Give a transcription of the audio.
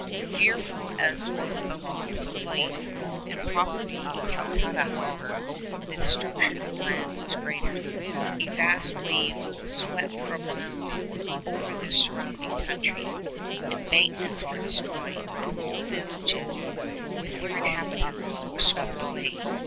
Fearful as was the loss of life and property in Calcutta harbour, the destruction on land was greater. A vast wave swept for miles over the surrounding country, embankments were destroyed, and whole villages, with their inhabitants, were swept away.